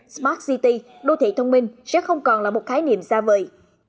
smart city đô thị thông minh sẽ không còn là một khái niệm xa vời